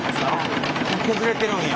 削れてるんや。